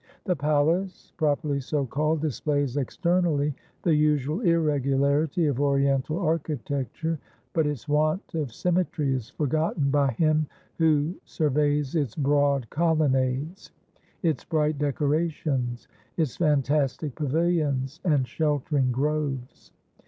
The palace, properly so called, displays externally the usual irregularity of Oriental architecture, but its want of symmetry is forgotten by him who surveys its broad colonnades, its bright decorations, its fantastic pavilions, and sheltering groves.